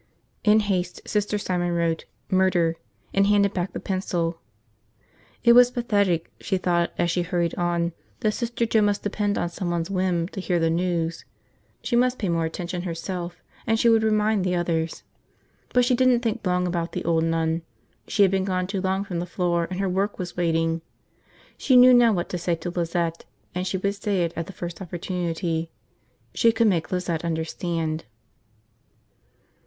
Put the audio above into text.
In haste, Sister Simon wrote, "Murder," and handed back the pencil. It was pathetic, she thought as she hurried on, that Sister Joe must depend on someone's whim to hear the news. She must pay more attention herself and she would remind the others. But she didn't think long about the old nun. She had been gone too long from the floor and her work was waiting. She knew now what to say to Lizette, and she would say it at the first opportunity. She could make Lizette understand.